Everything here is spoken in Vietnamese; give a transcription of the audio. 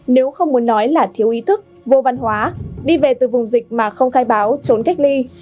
nếu không muốn nói là thiếu ý thức vô văn hóa đi về từ vùng dịch mà không khai báo trốn cách ly